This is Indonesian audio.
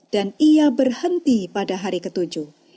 dan ia berhenti pada hari ketujuh